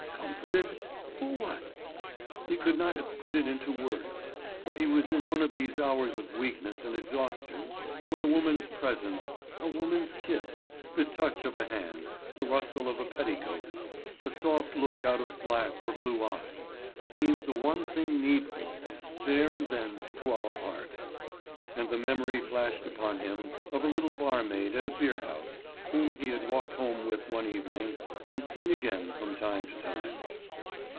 Comforted—for what? He could not have put it into words; but he was in one of these hours of weakness and exhaustion when a woman's presence, a woman's kiss, the touch of a hand, the rustle of a petticoat, a soft look out of black or blue eyes, seem the one thing needful, there and then, to our heart. And the memory flashed upon him of a little barmaid at a beer house, whom he had walked home with one evening, and seen again from time to time.